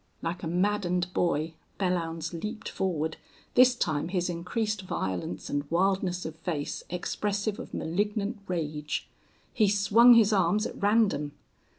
Like a maddened boy Belllounds leaped forward, this time his increased violence and wildness of face expressive of malignant rage. He swung his arms at random.